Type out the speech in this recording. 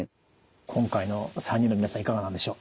今回の３人の皆さんいかがなんでしょう？